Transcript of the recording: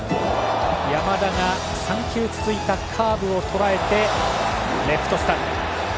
山田が３球続いたカーブをとらえてレフトスタンドへ。